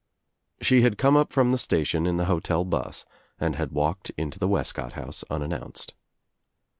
She had come up from the station in the hotel bus and had walked into the Wescott house unannounced.